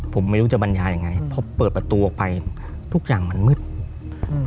ผมไม่รู้จะบรรยายังไงพอเปิดประตูออกไปทุกอย่างมันมืดอืม